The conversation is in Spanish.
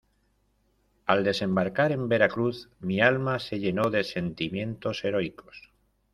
al desembarcar en Veracruz, mi alma se llenó de sentimientos heroicos.